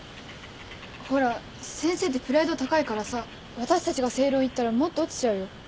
ほら先生ってプライド高いからさ私たちが正論言ったらもっと落ちちゃうよ。